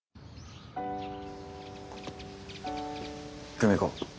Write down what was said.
久美子